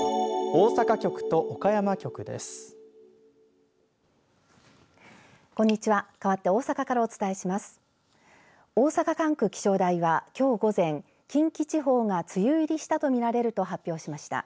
大阪管区気象台は、きょう午前近畿地方が梅雨入りしたとみられると発表しました。